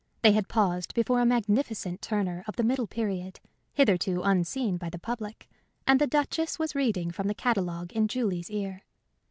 They had paused before a magnificent Turner of the middle period, hitherto unseen by the public, and the Duchess was reading from the catalogue in Julie's ear.